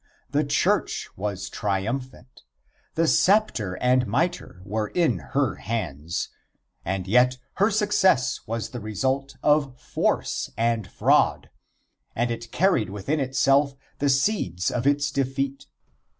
The church was triumphant. The sceptre and mitre were in her hands, and yet her success was the result of force and fraud, and it carried within itself the seeds of its defeat.